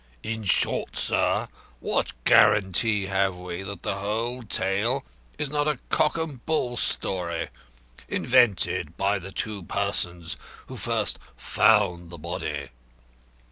In short, sir, what guarantee have we that the whole tale is not a cock and bull story, invented by the two persons who first found the body?